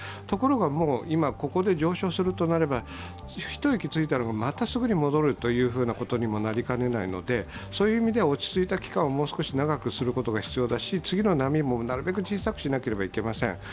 ところが、ここで上昇するとなれば一息ついたのがまたすぐに戻るということにもなりかねないのでそういう意味では落ち着いた期間を長くすることが必要だし次の波もなるべく小さくしなければなりません。